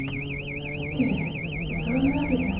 いえそういうわけじゃ。